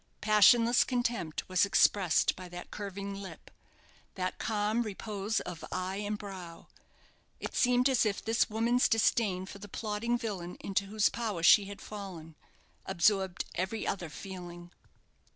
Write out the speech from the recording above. Passionless contempt was expressed by that curving lip, that calm repose of eye and brow. It seemed as if this woman's disdain for the plotting villain into whose power she had fallen absorbed every other feeling.